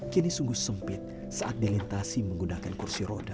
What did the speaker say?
kini sungguh sempit saat dilintasi menggunakan kursi roda